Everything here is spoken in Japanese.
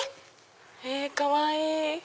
へぇかわいい！